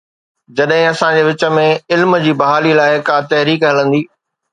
جڏهن اسان جي وچ ۾ علم جي بحاليءَ لاءِ ڪا تحريڪ هلندي.